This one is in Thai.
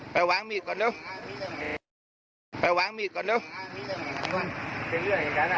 ไปวางมีดก่อนด้วยไปวางมีดก่อนด้วย